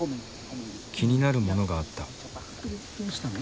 気になるものがあった。